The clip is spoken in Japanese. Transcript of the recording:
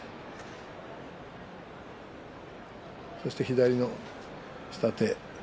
そして左の下手。